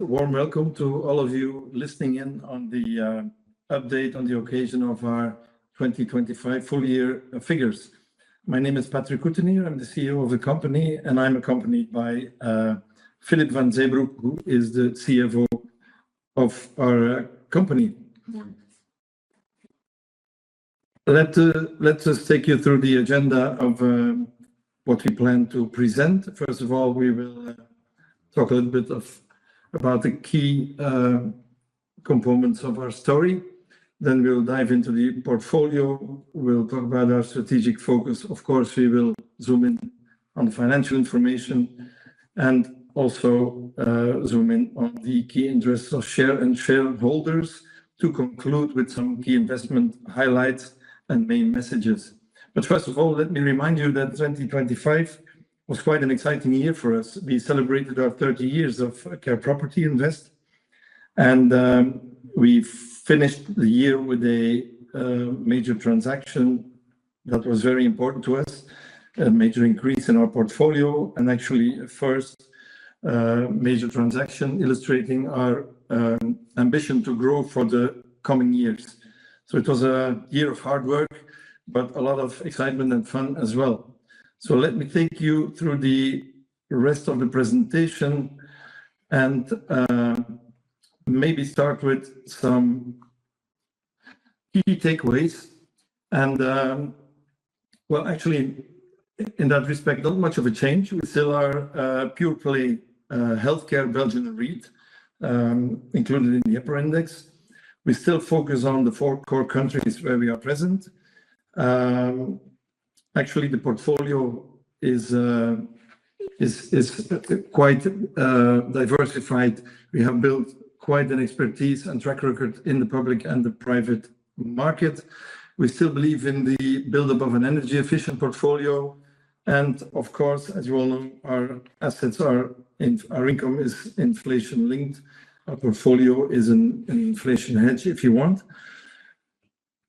A warm welcome to all of you listening in on the update on the occasion of our 2025 full year figures. My name is Patrick Couttenier, I'm the CEO of the company, and I'm accompanied by Filip Van Zeebroeck, who is the CFO of our company. Yeah. Let us take you through the agenda of what we plan to present. First of all, we will talk a little bit about the key components of our story. We'll dive into the portfolio. We'll talk about our strategic focus. Of course, we will zoom in on the financial information and also zoom in on the key interests of share and shareholders to conclude with some key investment highlights and main messages. First of all, let me remind you that 2025 was quite an exciting year for us. We celebrated our 30 years of Care Property Invest, and we finished the year with a major transaction that was very important to us, a major increase in our portfolio, and actually first major transaction illustrating our ambition to grow for the coming years. It was a year of hard work, but a lot of excitement and fun as well. Let me take you through the rest of the presentation and maybe start with some key takeaways. Well, actually in that respect, not much of a change. We still are purely healthcare Belgian REIT included in the EPRA Index. We still focus on the four core countries where we are present. Actually, the portfolio is quite diversified. We have built quite an expertise and track record in the public and the private market. We still believe in the build-up of an energy-efficient portfolio. Of course, as you all know, our income is inflation-linked. Our portfolio is an inflation hedge, if you want.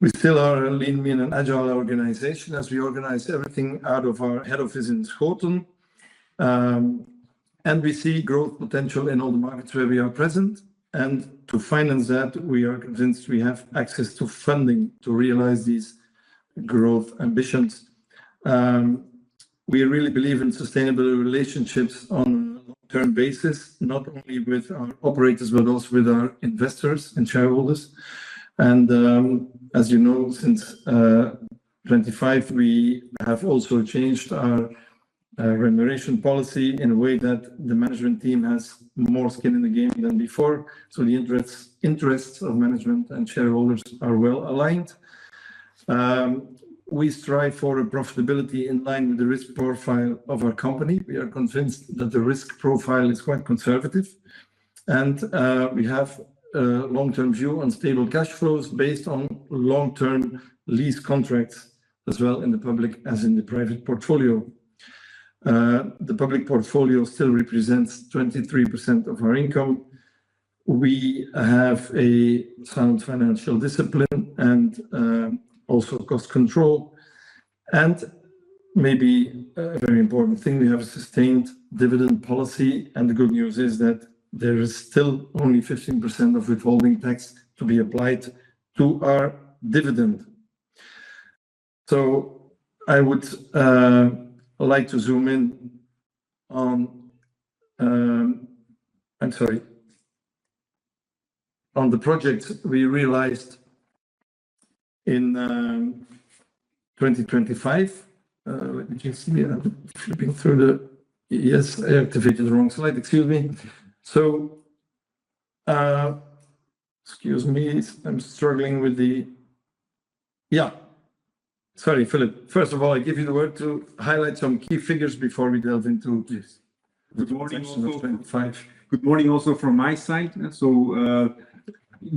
We still are a lean, mean, and agile organization as we organize everything out of our head office in Schoten. We see growth potential in all the markets where we are present. To finance that, we are convinced we have access to funding to realize these growth ambitions. We really believe in sustainable relationships on a long-term basis, not only with our operators, but also with our investors and shareholders. As you know, since 2025, we have also changed our remuneration policy in a way that the management team has more skin in the game than before. The interests of management and shareholders are well aligned. We strive for a profitability in line with the risk profile of our company. We are convinced that the risk profile is quite conservative. We have a long-term view on stable cash flows based on long-term lease contracts as well in the public as in the private portfolio. The public portfolio still represents 23% of our income. We have a sound financial discipline and also cost control. Maybe a very important thing, we have a sustained dividend policy, and the good news is that there is still only 15% of withholding tax to be applied to our dividend. I would like to zoom in on... I'm sorry. On the project we realized in 2025. Let me just see. I'm flipping through the... Yes, I activated the wrong slide. Excuse me. Excuse me. I'm struggling with the... Yeah. Sorry, Filip. First of all, I give you the word to highlight some key figures before we delve into this. Good morning. Section of 2025. Good morning also from my side.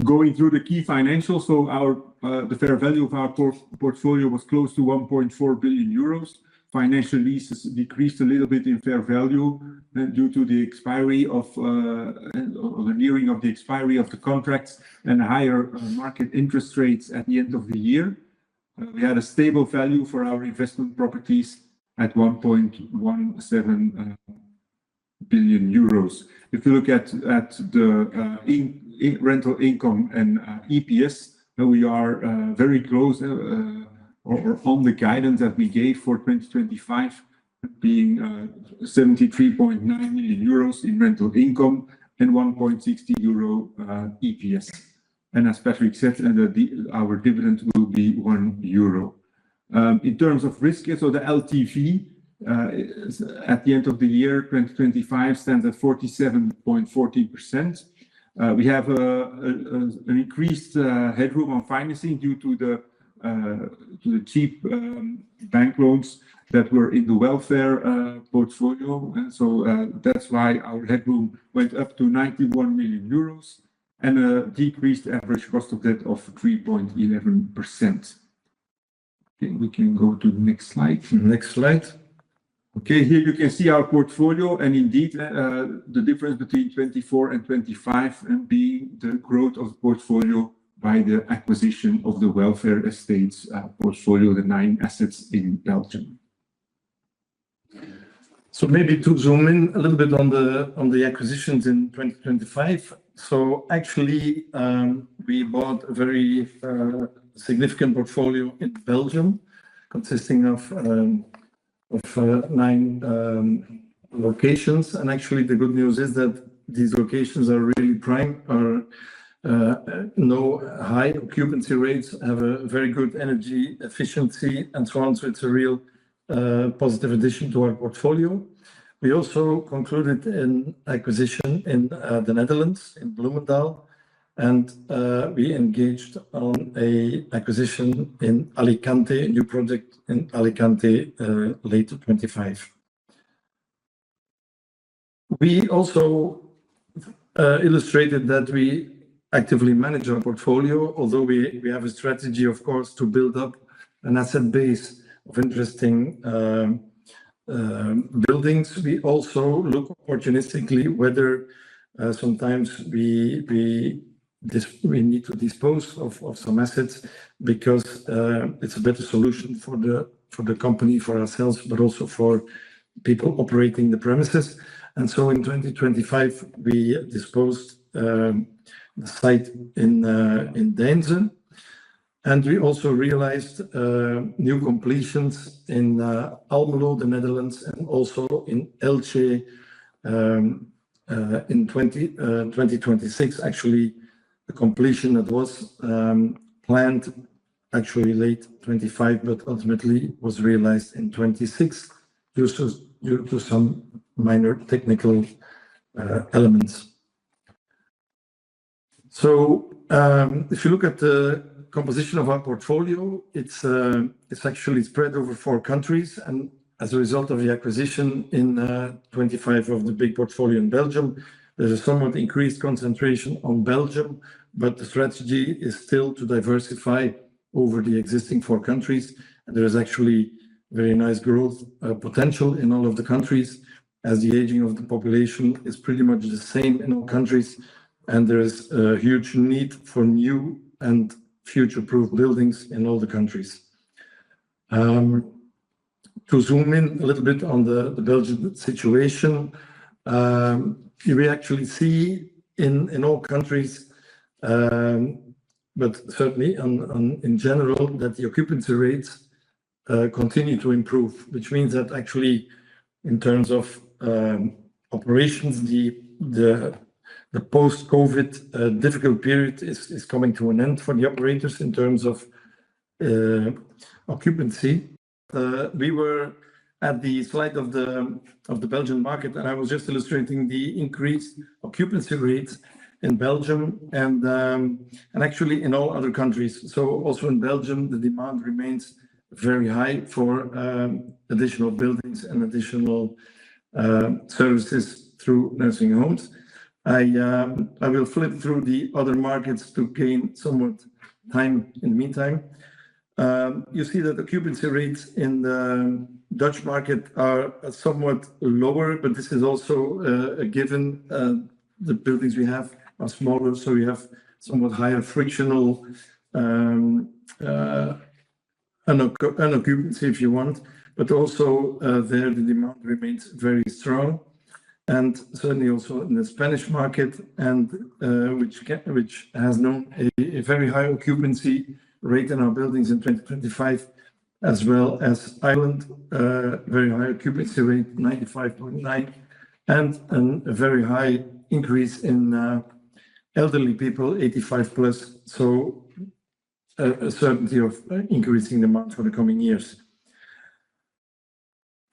Going through the key financials. Our the fair value of our portfolio was close to 1.4 billion euros. Financial leases decreased a little bit in fair value due to the expiry of or the nearing of the expiry of the contracts and higher market interest rates at the end of the year. We had a stable value for our investment properties at 1.17 billion euros. If you look at the in rental income and EPS, we are very close on the guidance that we gave for 2025, being 73.9 million euros in rental income and 1.60 euro EPS. As Patrick said, our dividend will be 1 euro. In terms of risk, the LTV is at the end of the year, 2025, stands at 47.14%. We have an increased headroom on financing due to the cheap bank loans that were in the Welfare portfolio. That's why our headroom went up to 91 million euros and a decreased average cost of debt of 3.11%. I think we can go to the next slide. Next slide. Okay. Here you can see our portfolio. Indeed, the difference between 2024 and 2025 and the growth of portfolio by the acquisition of the Welfare Estates, portfolio, the nine assets in Belgium. Maybe to zoom in a little bit on the, on the acquisitions in 2025. Actually, we bought a very significant portfolio in Belgium consisting of nine locations. The good news is that these locations are really prime or no high occupancy rates, have a very good energy efficiency, and so on. It's a real positive addition to our portfolio. We also concluded an acquisition in the Netherlands, in Bloemendaal, and we engaged on a acquisition in Alicante, new project in Alicante, late 2025. We also illustrated that we actively manage our portfolio, although we have a strategy, of course, to build up an asset base of interesting buildings. We also look opportunistically whether sometimes we need to dispose of some assets because it's a better solution for the company, for ourselves, but also for people operating the premises. In 2025, we disposed the site in Deinze. We also realized new completions in Almelo, the Netherlands, and also in Elche in 2026. Actually, the completion that was planned late 2025, but ultimately was realized in 2026 due to some minor technical elements. If you look at the composition of our portfolio, it's actually spread over four countries. As a result of the acquisition in 2025 of the big portfolio in Belgium, there's a somewhat increased concentration on Belgium. The strategy is still to diversify over the existing four countries. There is actually very nice growth potential in all of the countries as the aging of the population is pretty much the same in all countries. There is a huge need for new and future-proof buildings in all the countries. To zoom in a little bit on the Belgium situation, we actually see in all countries, but certainly on in general that the occupancy rates continue to improve, which means that actually in terms of operations, the post-COVID difficult period is coming to an end for the operators in terms of occupancy. We were at the slide of the, of the Belgian market, and I was just illustrating the increased occupancy rates in Belgium and, actually in all other countries. Also in Belgium, the demand remains very high for additional buildings and additional services through nursing homes. I will flip through the other markets to gain somewhat time in meantime. You see that occupancy rates in the Dutch market are somewhat lower. This is also a given. The buildings we have are smaller, so we have somewhat higher frictional unoccupancy if you want. Also, there the demand remains very strong. Certainly also in the Spanish market, which has known a very high occupancy rate in our buildings in 2025, as well as Ireland, very high occupancy rate, 95.9%, and a very high increase in elderly people, 85+. A certainty of increasing demand for the coming years.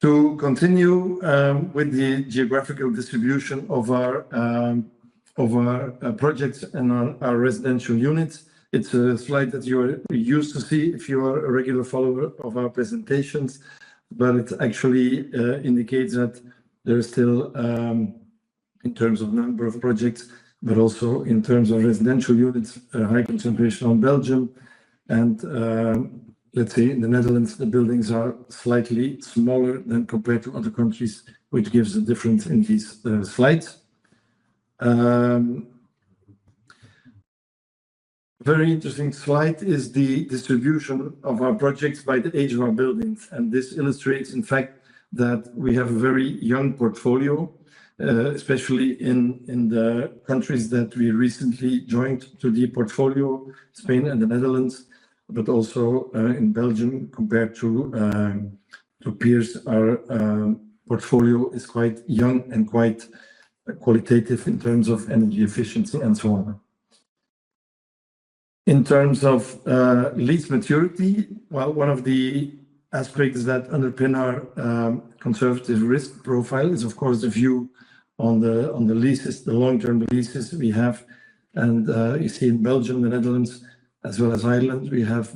To continue with the geographical distribution of our of our projects and our residential units. It's a slide that you're used to see if you are a regular follower of our presentations. It actually indicates that there is still in terms of number of projects, but also in terms of residential units, a high concentration on Belgium. Let's say in the Netherlands, the buildings are slightly smaller than compared to other countries, which gives a difference in these slides. Very interesting slide is the distribution of our projects by the age of our buildings. This illustrates, in fact, that we have a very young portfolio, especially in the countries that we recently joined to the portfolio, Spain and the Netherlands. Also in Belgium, compared to peers, our portfolio is quite young and quite qualitative in terms of energy efficiency and so on. In terms of lease maturity, well, one of the aspects that underpin our conservative risk profile is, of course, the view on the leases, the long-term leases we have. You see in Belgium, the Netherlands as well as Ireland, we have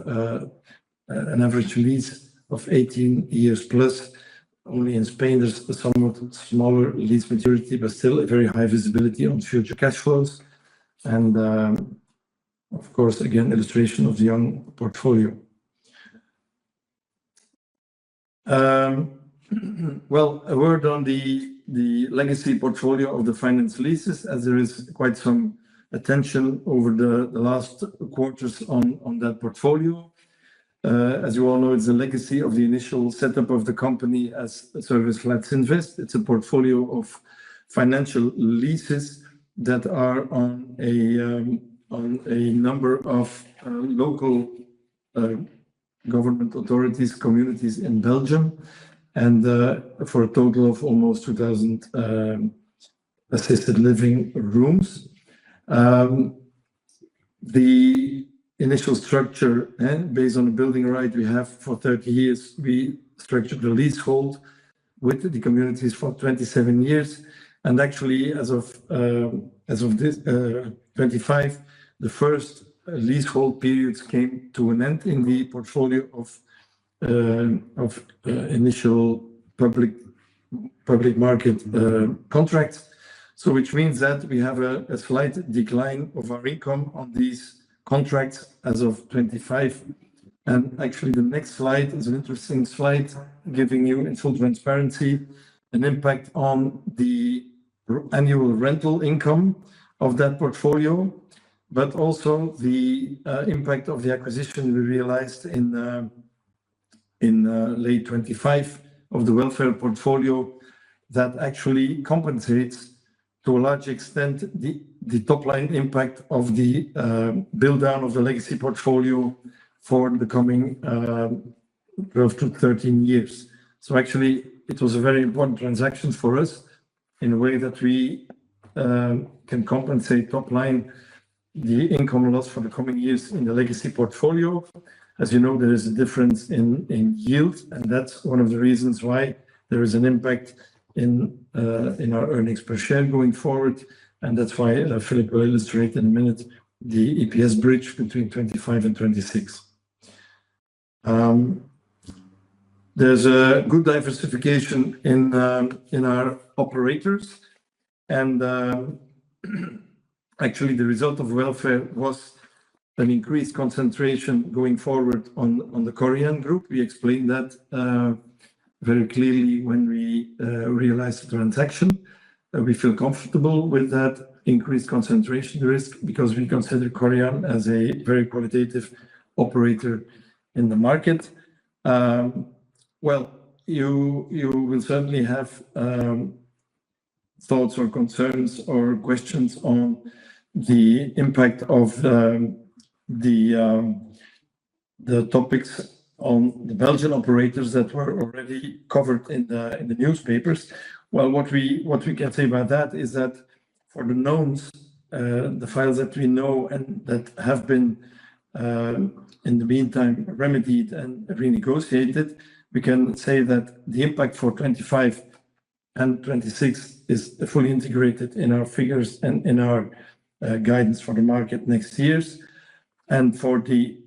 an average lease of 18 years plus. Only in Spain, there's a somewhat smaller lease maturity, but still a very high visibility on future cash flows. Of course, again, illustration of the young portfolio. Well, a word on the legacy portfolio of the finance leases as there is quite some attention over the last quarters on that portfolio. As you all know, it's the legacy of the initial setup of the company as Serviceflats Invest. It's a portfolio of financial leases that are on a number of local government authorities, communities in Belgium, and for a total of almost 2,000 assisted living rooms. The initial structure and based on the building right we have for 30 years, we structured the leasehold with the communities for 27 years. Actually, as of 2025, the first leasehold periods came to an end in the portfolio of initial public market contracts. Which means that we have a slight decline of our income on these contracts as of 2025. Actually, the next slide is an interesting slide, giving you in full transparency an impact on the annual rental income of that portfolio, but also the impact of the acquisition we realized in late 2025 of the Welfare portfolio that actually compensates to a large extent the top-line impact of the build down of the legacy portfolio for the coming close to 13 years. Actually, it was a very important transaction for us in a way that we can compensate top line the income loss for the coming years in the legacy portfolio. As you know, there is a difference in yield, that's one of the reasons why there is an impact in our earnings per share going forward. That's why Filip will illustrate in a minute the EPS bridge between 2025 and 2026. There's a good diversification in our operators. Actually the result of Welfare was an increased concentration going forward on the Korian group. We explained that very clearly when we realized the transaction. We feel comfortable with that increased concentration risk because we consider Korian as a very qualitative operator in the market. Well, you will certainly have thoughts or concerns or questions on the impact of the topics on the Belgian operators that were already covered in the newspapers. Well, what we can say about that is that for the knowns, the files that we know and that have been in the meantime remedied and renegotiated, we can say that the impact for 2025 and 2026 is fully integrated in our figures and in our guidance for the market next years. For the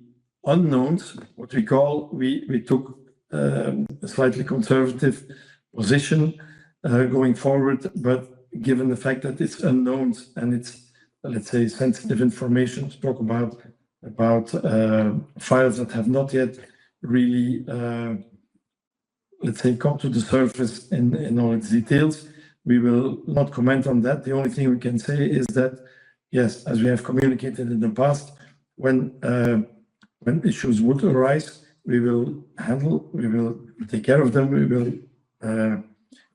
unknowns, what we call, we took a slightly conservative position going forward, but given the fact that it's unknowns and it's, let's say, sensitive information to talk about files that have not yet really, let's say, come to the surface in all its details, we will not comment on that. The only thing we can say is that, yes, as we have communicated in the past, when issues would arise, we will handle, we will take care of them, we will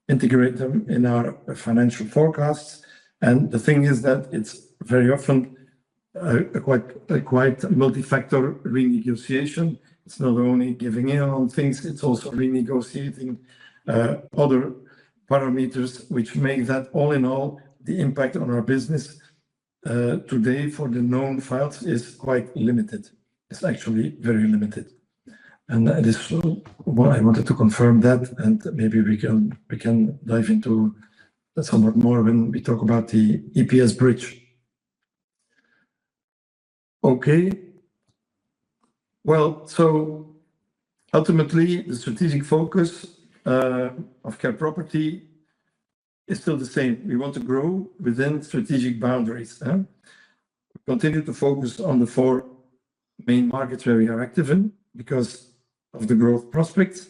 integrate them in our financial forecasts. The thing is that it's very often, a quite multifactor renegotiation. It's not only giving in on things, it's also renegotiating, other parameters which make that all in all, the impact on our business, today for the known files is quite limited. It's actually very limited. It is so. Well, I wanted to confirm that and maybe we can, we can dive into that somewhat more when we talk about the EPS bridge. Ultimately, the strategic focus of Care Property is still the same. We want to grow within strategic boundaries, huh? We continue to focus on the four main markets where we are active in because of the growth prospects.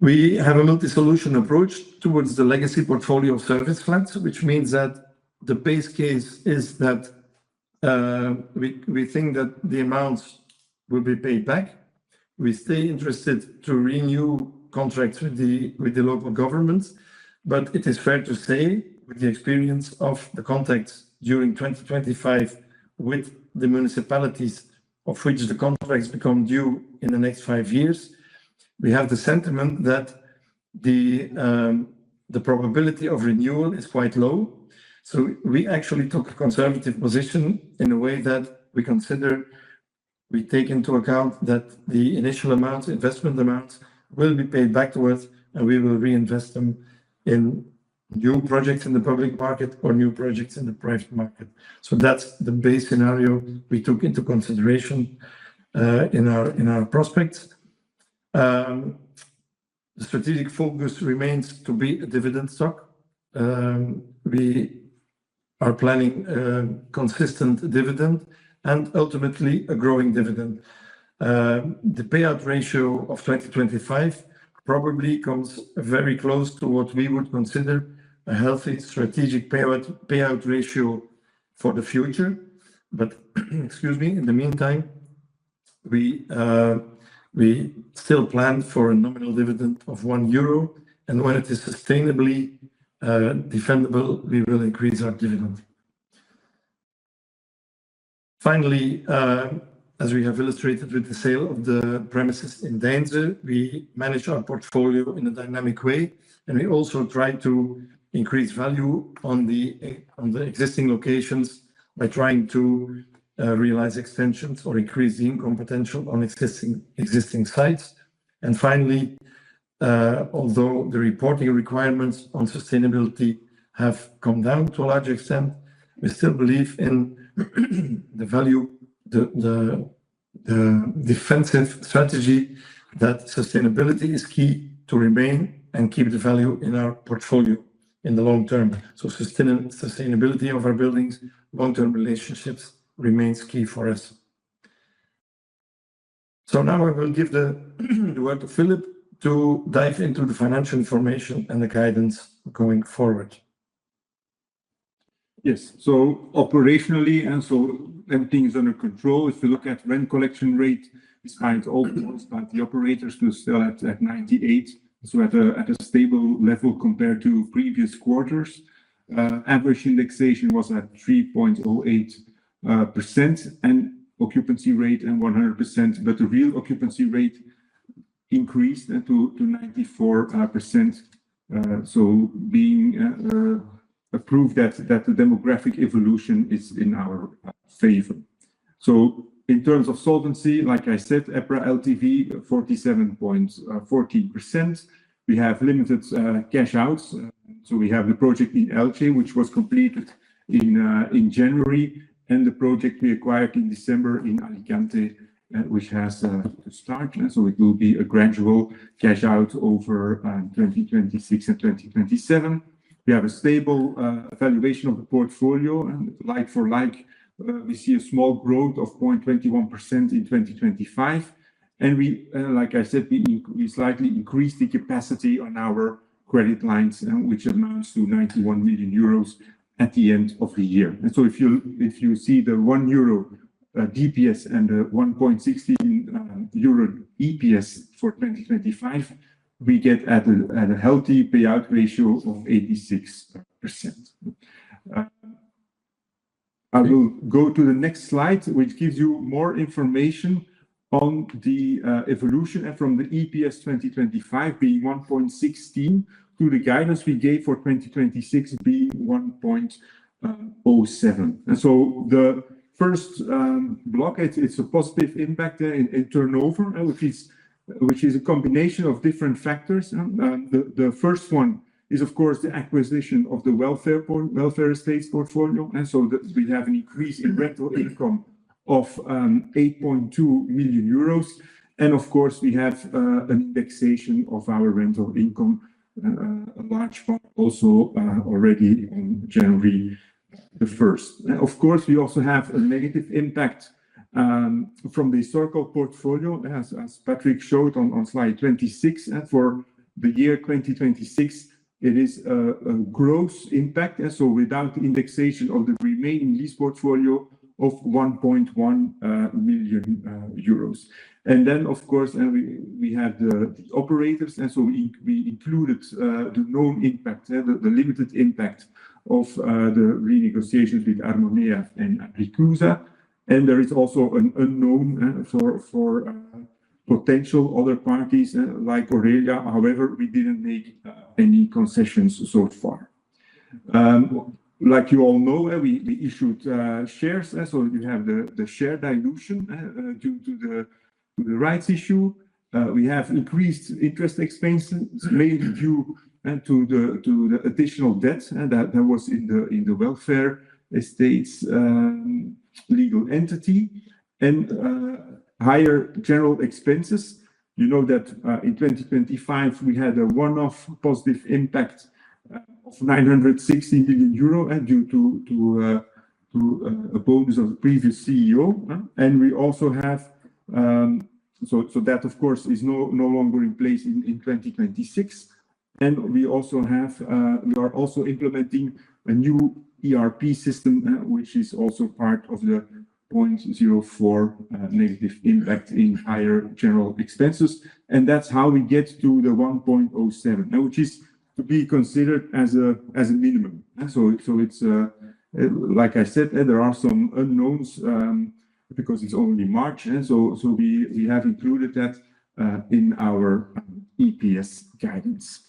We have a multi-solution approach towards the legacy portfolio of service flats, which means that the base case is that we think that the amounts will be paid back. We stay interested to renew contracts with the local governments. It is fair to say with the experience of the contracts during 2025 with the municipalities of which the contracts become due in the next five years, we have the sentiment that the probability of renewal is quite low. We actually took a conservative position in a way that we consider, we take into account that the initial amount, investment amount will be paid back to us, and we will reinvest them in new projects in the public market or new projects in the private market. That's the base scenario we took into consideration in our prospects. The strategic focus remains to be a dividend stock. We are planning a consistent dividend and ultimately a growing dividend. The payout ratio of 2025 probably comes very close to what we would consider a healthy strategic payout ratio for the future. Excuse me, in the meantime, we still plan for a nominal dividend of 1 euro, and when it is sustainably defendable, we will increase our dividend. Finally, as we have illustrated with the sale of the premises in Deinze, we manage our portfolio in a dynamic way, we also try to increase value on the existing locations by trying to realize extensions or increase the income potential on existing sites. Finally, although the reporting requirements on sustainability have come down to a large extent, we still believe in the value, the defensive strategy that sustainability is key to remain and keep the value in our portfolio in the long term. Sustainability of our buildings, long-term relationships remains key for us. Now I will give the word to Filip to dive into the financial information and the guidance going forward. Yes. Operationally everything is under control. If you look at rent collection rate, it's kind all points, but the operators do still at 98%, at a stable level compared to previous quarters. Average indexation was at 3.08% and occupancy rate and 100%. The real occupancy rate increased to 94%. Being a proof that the demographic evolution is in our favor. In terms of solvency, like I said, EPRA LTV 47.14%. We have limited cash outs. We have the project in Elche, which was completed in January, and the project we acquired in December in Alicante, which has to start. It will be a gradual cash out over 2026 and 2027. We have a stable valuation of the portfolio and like for like, we see a small growth of 0.21% in 2025. We, like I said, we slightly increased the capacity on our credit lines, which amounts to 91 million euros at the end of the year. If you see the 1 euro DPS and the 1.16 euro EPS for 2025, we get at a healthy payout ratio of 86%. I will go to the next slide, which gives you more information on the evolution and from the EPS 2025 being 1.16 to the guidance we gave for 2026 being 1.07. The first block, it's a positive impact in turnover, which is a combination of different factors. The first one is of course the acquisition of the Welfare Estates portfolio. We have an increase in rental income of 8.2 million euros. Of course, we have an indexation of our rental income, a large part also already in January 1st. Of course, we also have a negative impact from the Cierco portfolio. As Patrick showed on slide 26, for the year 2026, it is a growth impact. Without indexation of the remaining lease portfolio of 1.1 million euros. We had the operators. We included the known impact, the limited impact of the renegotiations with Armonea and Ricusa. There is also an unknown for potential other parties like Orelia. However, we didn't make any concessions so far. Like you all know, we issued shares, so you have the share dilution due to the rights issue. We have increased interest expenses mainly due to the additional debt that was in the Welfare Estates' legal entity and higher general expenses. You know that in 2025 we had a one-off positive impact of 960 million euro due to a bonus of previous CEO. We also have that of course is no longer in place in 2026. We also have we are also implementing a new ERP system, which is also part of the 0.04 negative impact in higher general expenses. That's how we get to the 1.07, which is to be considered as a minimum. It's like I said, there are some unknowns because it's only March. We have included that in our EPS guidance.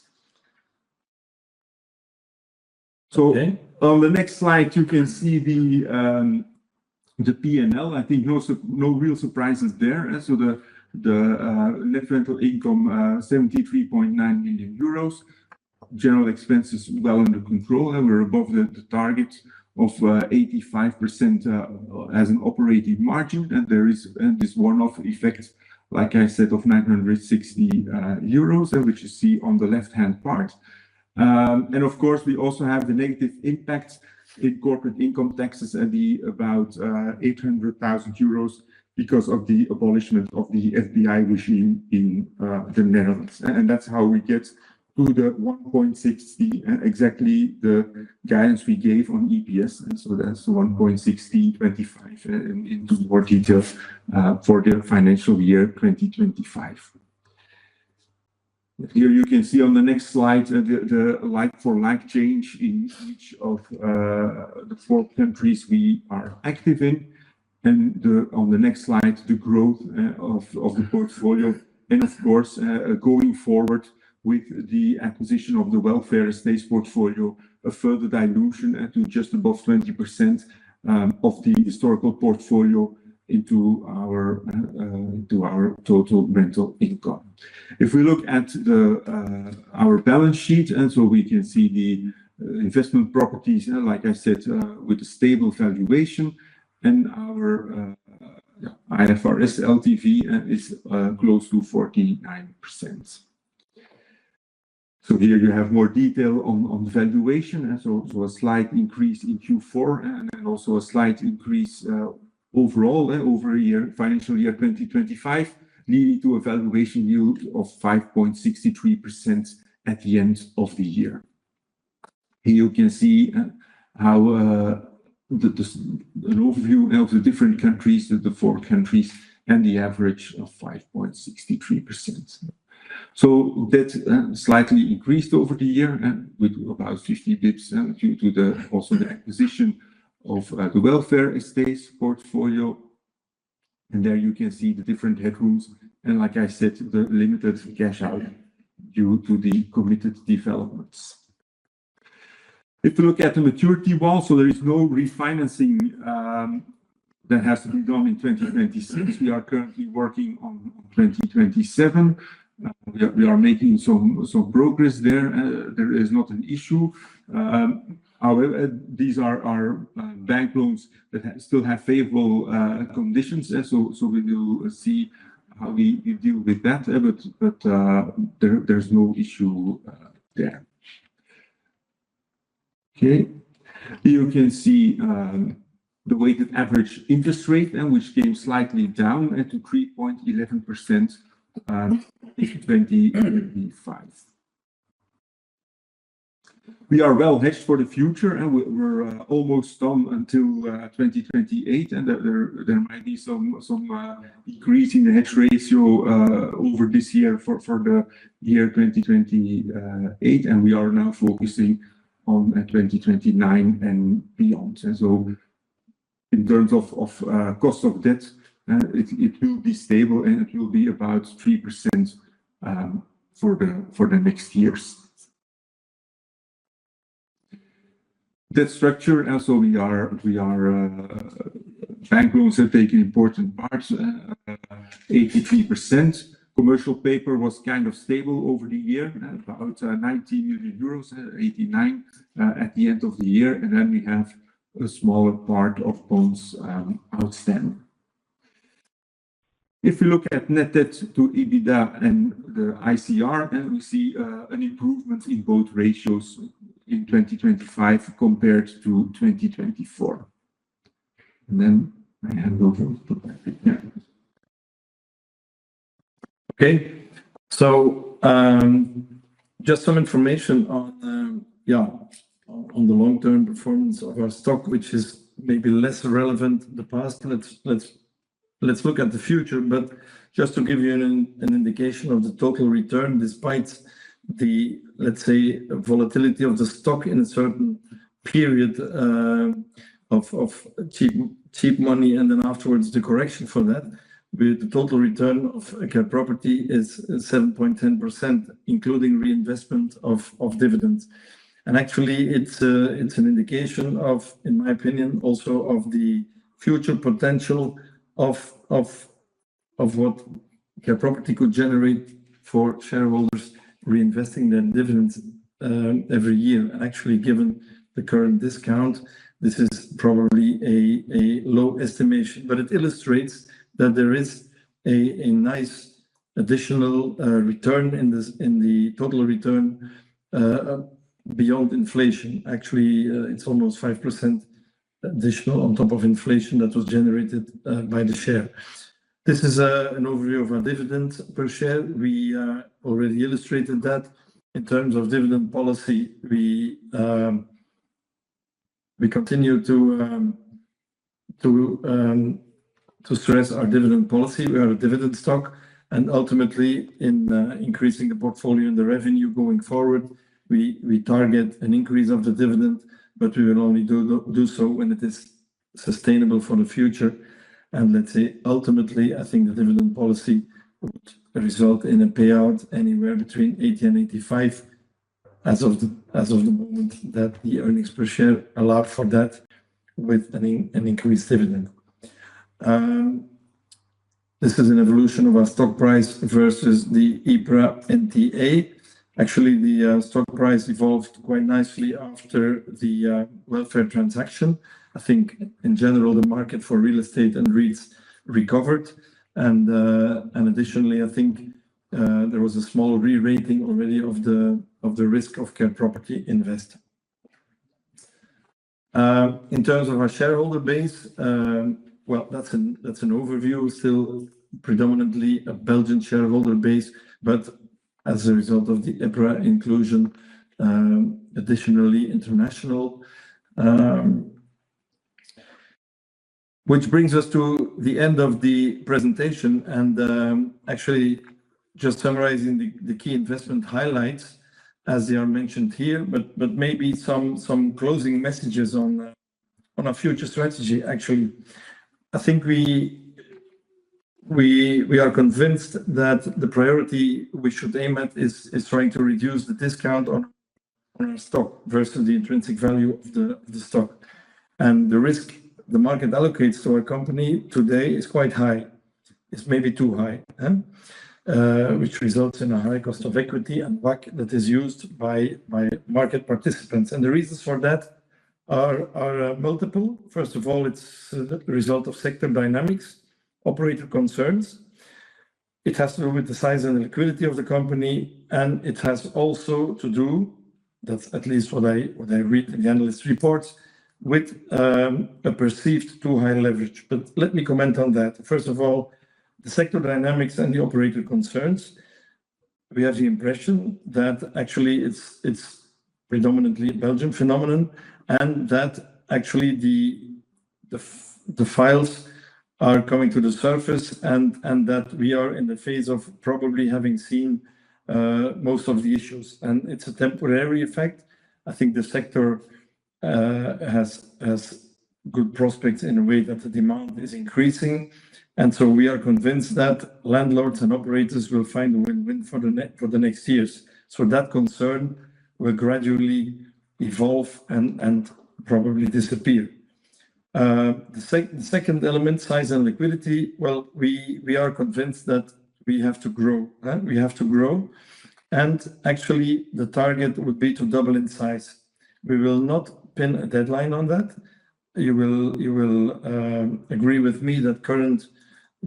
Okay. On the next slide, you can see the P&L. I think no real surprises there. So the net rental income, 73.9 million euros. General expenses well under control, and we're above the target of 85% as an operating margin. There is this one-off effect, like I said, of 960 euros, which you see on the left-hand part. Of course, we also have the negative impact in corporate income taxes and about 800,000 euros because of the abolishment of the FBI regime in the Netherlands. That's how we get to the 1.60 exactly the guidance we gave on EPS. That's 1.6025 into more details for the financial year 2025. Here you can see on the next slide, the like for like change in each of the four countries we are active in. On the next slide, the growth of the portfolio. Of course, going forward with the acquisition of the Welfare Estates portfolio, a further dilution to just above 20% of the historical portfolio into our total rental income. If we look at our balance sheet, we can see the investment properties, and like I said, with a stable valuation. Our, yeah, IFRS LTV is close to 49%. Here you have more detail on valuation. So a slight increase in Q4 and then also a slight increase overall over financial year 2025, leading to a valuation yield of 5.63% at the end of the year. Here you can see an overview of the different countries, the four countries and the average of 5.63%. That slightly increased over the year, and with about 50 basis points due to the acquisition of the Welfare Estates portfolio. There you can see the different headrooms and like I said, the limited cash out due to the committed developments. If you look at the maturity wall, there is no refinancing that has to be done in 2026. We are currently working on 2027. We are making some progress there. There is not an issue. However, these are our bank loans that still have favorable conditions. So we will see how we deal with that. But there's no issue there. Okay. Here you can see the weighted average interest rate and which came slightly down to 3.11% in 2025. We are well hedged for the future, and we're almost done until 2028. There might be some decrease in the hedge ratio over this year for the year 2028. We are now focusing on 2029 and beyond. In terms of cost of debt, it will be stable, and it will be about 3% for the next years. Debt structure. We are, bank loans have taken important parts, 83%. Commercial paper was kind of stable over the year. About 90 million euros, 89 million at the end of the year. We have a smaller part of bonds outstanding. If you look at net debt to EBITDA and the ICR, we see an improvement in both ratios in 2025 compared to 2024. I hand over to Patrick. Okay. Just some information on the long-term performance of our stock, which is maybe less relevant the past. Let's look at the future. Just to give you an indication of the total return, despite the, let's say, volatility of the stock in a certain period, of cheap money and then afterwards the correction for that, with the total return of Care Property is 7.10%, including reinvestment of dividends. Actually, it's an indication of, in my opinion, also of the future potential of what Care Property could generate for shareholders reinvesting their dividends every year. Actually, given the current discount, this is probably a low estimation. It illustrates that there is a nice additional return in the total return beyond inflation. Actually, it's almost 5% additional on top of inflation that was generated by the share. This is an overview of our dividend per share. We already illustrated that. In terms of dividend policy, we continue to stress our dividend policy. We are a dividend stock. Ultimately in increasing the portfolio and the revenue going forward, we target an increase of the dividend, but we will only do so when it is sustainable for the future. Let's say, ultimately, I think the dividend policy would result in a payout anywhere between 80 and 85 as of the moment that the earnings per share allow for that with an increased dividend. This is an evolution of our stock price versus the EPRA NDV. Actually, the stock price evolved quite nicely after the Welfare transaction. I think in general, the market for real estate and REITs recovered. Additionally, I think there was a small re-rating already of the risk of Care Property Invest. In terms of our shareholder base, well, that's an overview. Still predominantly a Belgian shareholder base, but as a result of the EPRA inclusion, additionally international. Which brings us to the end of the presentation. Actually just summarizing the key investment highlights as they are mentioned here, but maybe some closing messages on our future strategy. Actually, I think we are convinced that the priority we should aim at is trying to reduce the discount on our stock versus the intrinsic value of the stock. The risk the market allocates to our company today is quite high. It's maybe too high. Which results in a high cost of equity and WACC that is used by market participants. The reasons for that are multiple. First of all, it's the result of sector dynamics, operator concerns. It has to do with the size and liquidity of the company, and it has also to do, that's at least what I read in the analyst reports, with a perceived too high leverage. Let me comment on that. First of all, the sector dynamics and the operator concerns, we have the impression that actually it's predominantly a Belgian phenomenon and that actually the files are coming to the surface and that we are in the phase of probably having seen most of the issues. It's a temporary effect. I think the sector has good prospects in a way that the demand is increasing. We are convinced that landlords and operators will find a win-win for the next years. That concern will gradually evolve and probably disappear. The second element, size and liquidity, well, we are convinced that we have to grow. We have to grow. Actually, the target would be to double in size. We will not pin a deadline on that. You will agree with me that current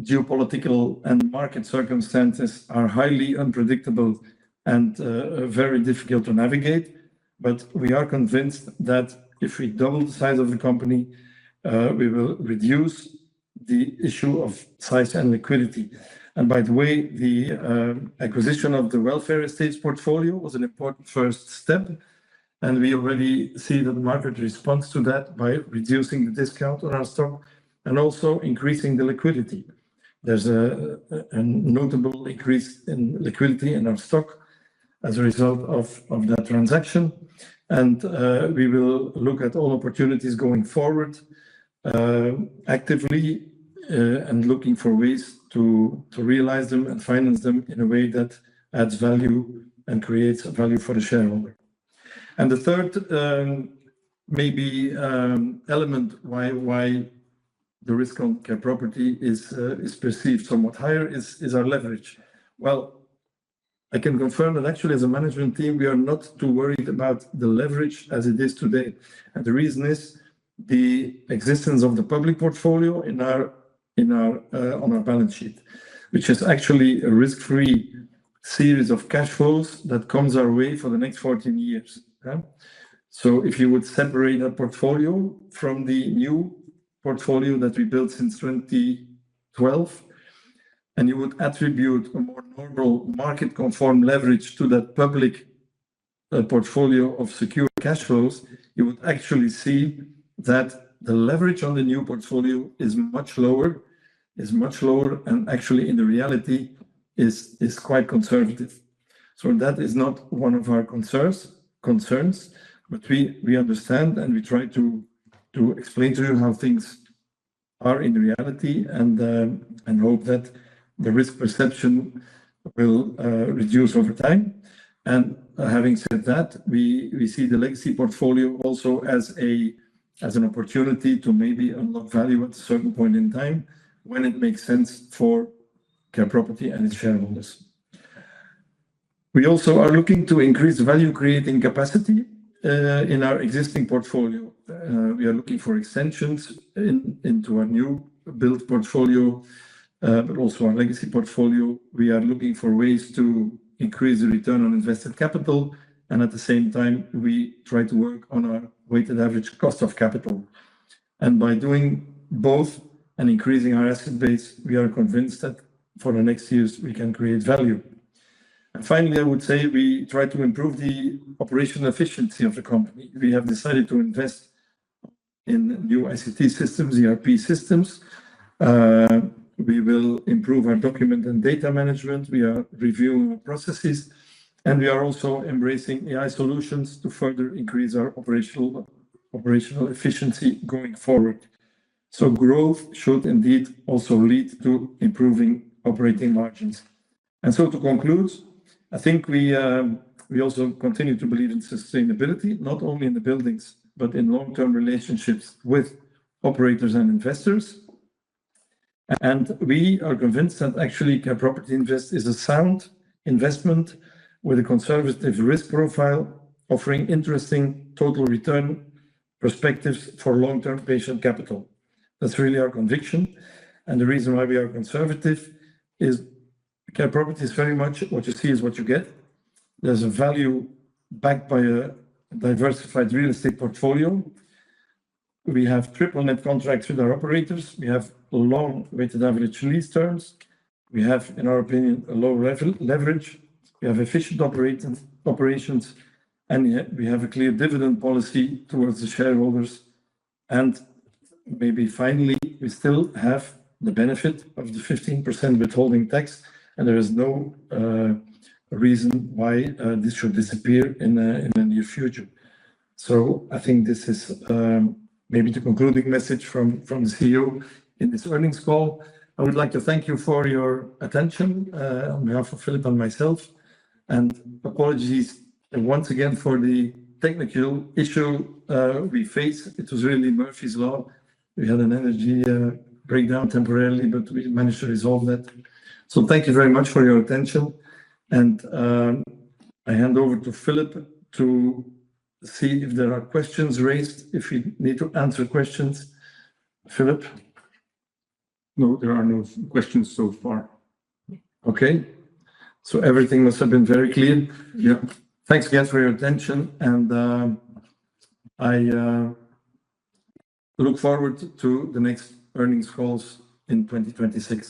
geopolitical and market circumstances are highly unpredictable and very difficult to navigate. We are convinced that if we double the size of the company, we will reduce the issue of size and liquidity. By the way, the acquisition of the Welfare Estates portfolio was an important first step, and we already see that the market responds to that by reducing the discount on our stock and also increasing the liquidity. There's a notable increase in liquidity in our stock as a result of that transaction. We will look at all opportunities going forward actively and looking for ways to realize them and finance them in a way that adds value and creates a value for the shareholder. The third, maybe element why the risk on Care Property is perceived somewhat higher is our leverage. Well, I can confirm that actually as a management team, we are not too worried about the leverage as it is today. The reason is the existence of the public portfolio in our on our balance sheet, which is actually a risk-free series of cash flows that comes our way for the next 14 years. Yeah? If you would separate that portfolio from the new portfolio that we built since 2012, and you would attribute a more normal market-conformed leverage to that public portfolio of secure cash flows, you would actually see that the leverage on the new portfolio is much lower, and actually in the reality is quite conservative. That is not one of our concerns. We understand and we try to explain to you how things are in reality and hope that the risk perception will reduce over time. Having said that, we see the legacy portfolio also as an opportunity to maybe unlock value at a certain point in time when it makes sense for Care Property and its shareholders. We also are looking to increase value-creating capacity in our existing portfolio. We are looking for extensions into our new build portfolio, but also our legacy portfolio. We are looking for ways to increase the return on invested capital, and at the same time, we try to work on our weighted average cost of capital. By doing both and increasing our asset base, we are convinced that for the next years we can create value. Finally, I would say we try to improve the operational efficiency of the company. We have decided to invest in new ICT systems, ERP systems. We will improve our document and data management. We are reviewing our processes, and we are also embracing AI solutions to further increase our operational efficiency going forward. Growth should indeed also lead to improving operating margins. To conclude, I think we also continue to believe in sustainability, not only in the buildings, but in long-term relationships with operators and investors. We are convinced that actually Care Property Invest is a sound investment with a conservative risk profile, offering interesting total return perspectives for long-term patient capital. That's really our conviction. The reason why we are conservative is Care Property is very much what you see is what you get. There's a value backed by a diversified real estate portfolio. We have Triple Net contracts with our operators. We have long weighted average lease terms. We have, in our opinion, a low leverage. Yet we have efficient operations, and yet we have a clear dividend policy towards the shareholders. Maybe finally, we still have the benefit of the 15% withholding tax. There is no reason why this should disappear in the near future. I think this is maybe the concluding message from the CEO in this earnings call. I would like to thank you for your attention on behalf of Filip and myself. Apologies once again for the technical issue we faced. It was really Murphy's Law. We had an energy breakdown temporarily, but we managed to resolve that. Thank you very much for your attention. I hand over to Filip to see if there are questions raised, if we need to answer questions. Filip? No, there are no questions so far. Okay. Everything must have been very clear. Yeah. Thanks again for your attention, and I look forward to the next earnings calls in 2026.